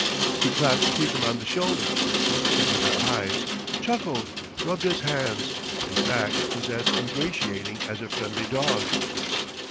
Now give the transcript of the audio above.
He clapped people on the shoulder, looked into their eyes, chuckled, rubbed his hands, in fact was as ingratiating as a friendly dog.